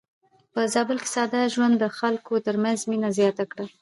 په زابل کې ساده ژوند د خلکو ترمنځ مينه زياته کړې.